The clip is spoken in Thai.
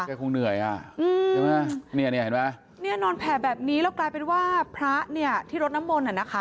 คงเหนื่อยอ่ะอืมใช่ไหมเนี่ยเห็นไหมเนี่ยนอนแผ่แบบนี้แล้วกลายเป็นว่าพระเนี่ยที่รดน้ำมนต์น่ะนะคะ